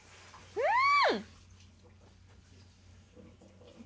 うん！